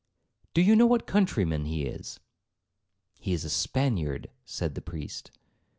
'Do you know what countryman he is?' 'He is a Spaniard,' said the priest.